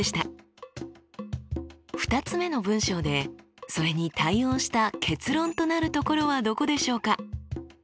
２つ目の文章でそれに対応した結論となるところはどこでしょうか？